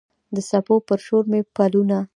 د څپو پر شور مې پلونه